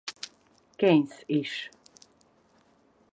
Keynes is.